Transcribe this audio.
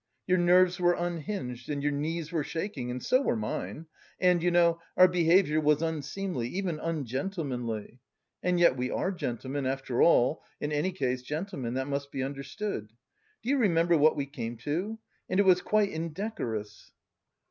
Your nerves were unhinged and your knees were shaking and so were mine. And, you know, our behaviour was unseemly, even ungentlemanly. And yet we are gentlemen, above all, in any case, gentlemen; that must be understood. Do you remember what we came to?... and it was quite indecorous."